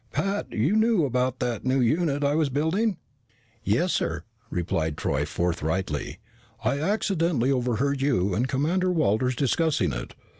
"Pat, you knew about that new unit I was building?" "Yes, sir," replied Troy forthrightly. "I accidentally overheard you and Commander Walters discussing it.